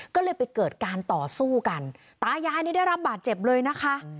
ก็เลยไปเกิดการต่อสู้กันตายายนี่ได้รับบาดเจ็บเลยนะคะ